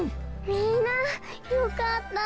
みんなよかった。